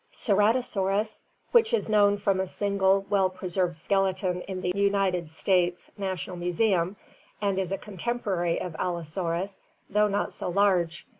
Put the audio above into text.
Ceratosaurus, which is known from a single well preserved skele ton in the United States National Museum, and is a contemporary of AUosaurus, though not so large.